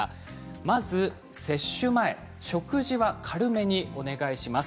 まず接種前、食事は軽めにお願いします。